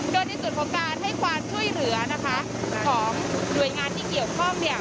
โดยในส่วนของการให้ความช่วยเหลือนะคะของหน่วยงานที่เกี่ยวข้องเนี่ย